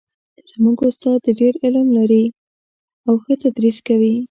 زموږ استاد ډېر علم لري او ښه تدریس کوي